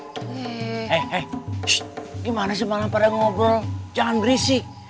hei hei gimana sih malah pada ngobrol jangan berisik